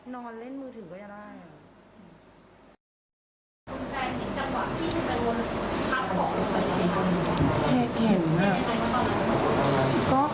นอนเล่นมือถึงก็อย่าล่ะ